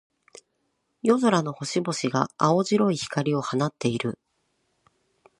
夜空の星々が、青白い光を放っている。